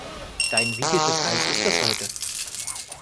Dein wievieltes Eis ist das heute?